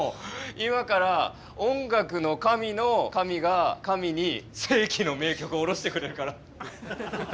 今から音楽の神の神が神に世紀の名曲を降ろしてくれるから。